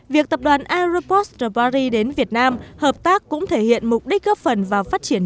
việc tập đoàn aropost paris đến việt nam hợp tác cũng thể hiện mục đích góp phần vào phát triển